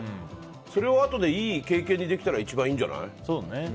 それをあとでいい経験にできたら一番いいんじゃない？